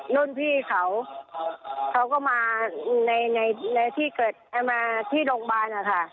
รุ่นพี่เขาเขาก็มาที่โรงพยาบาลค่ะ